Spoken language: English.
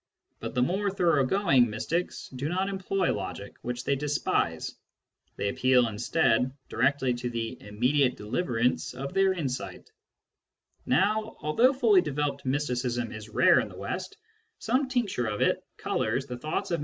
But the more thorough jgoing mystics do not employ logic, which they despise : they appeal instead directly to the immediate deliverance of their insight. Now, although fully developed mysticism is rare in the West, some tincture of it colours the thoughts of many ^ Cf, Burnet, Early Greek Philosophy, pp. 85 ff.